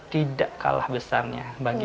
tidak kalah besarnya